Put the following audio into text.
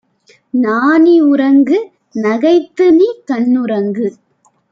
நாணி உறங்கு; நகைத்துநீ கண்ணுறங்கு!